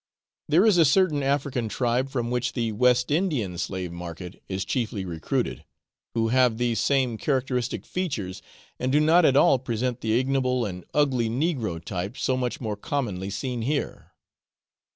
There is a certain African tribe from which the West Indian slave market is chiefly recruited, who have these same characteristic features, and do not at all present the ignoble and ugly negro type, so much more commonly seen here.